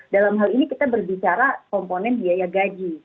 dalam hal ini kita berbicara komponen biaya gaji